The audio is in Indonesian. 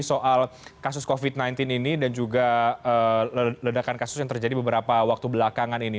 soal kasus covid sembilan belas ini dan juga ledakan kasus yang terjadi beberapa waktu belakangan ini